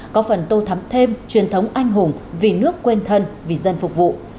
có phần tô thắm thêm truyền thống anh hùng vì nước quên thân vì dân phục vụ